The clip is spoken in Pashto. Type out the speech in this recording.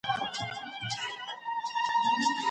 په څېړنه کي بریا د پرله پسې هلو ځلو په پایله کي ترلاسه کېږي.